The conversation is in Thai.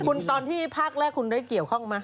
คุณตอนที่ภาคแรกได้เกี่ยวเข้ามา